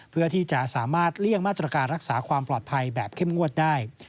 เพื่อที่จะสามารถเลี่ยงมาตรการรักษาความปลอดภัยแบบเข้มงวดได้